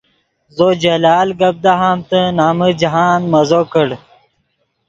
زو جلال گپ دہامتے نمن جاہند مزو کڑ